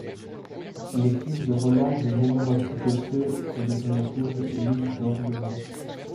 Il est le fils de Rolland de Montmorency-Fosseux et de son épouse, Louise d'Orgemont.